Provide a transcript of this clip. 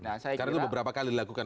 karena itu beberapa kali dilakukan